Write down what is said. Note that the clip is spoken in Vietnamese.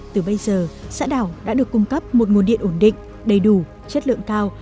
từ bây giờ xã đảo đã được cung cấp một nguồn điện ổn định đầy đủ chất lượng cao